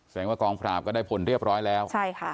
แสดงว่ากล้องผลาบก็ได้ผลเรียบร้อยแล้ว